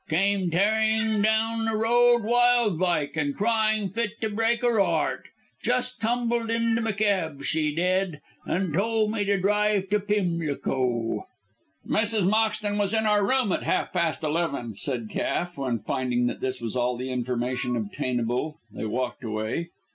Came tearing down the road wild like and crying fit to break 'er 'eart. Jus' tumbled into m'keb, she did, an' tole me to drive t' Pimlico." "Mrs. Moxton was in our room at half past eleven," said Cass, when finding that this was all the information obtainable they walked away.